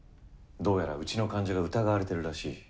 どうやらうちの患者が疑われてるらしい。